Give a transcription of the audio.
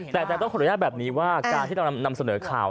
แต่ต้องขออนุญาตแบบนี้ว่าการที่เรานำเสนอข่าว